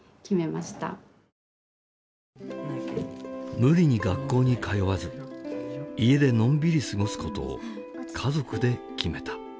無理に学校に通わず家でのんびり過ごすことを家族で決めた。